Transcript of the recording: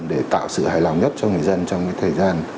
để tạo sự hài lòng nhất cho người dân trong thời gian